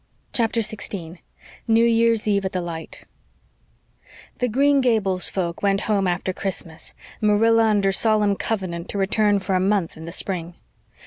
CHAPTER 16 NEW YEAR'S EVE AT THE LIGHT The Green Gables folk went home after Christmas, Marilla under solemn covenant to return for a month in the spring.